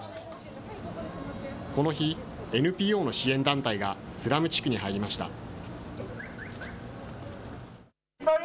この日、ＮＰＯの支援団体がスラム地区に入りました。